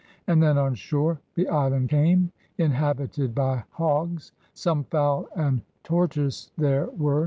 And then on shoare the iland came Inhabited by hogges. Some Foule and tortoyses there were.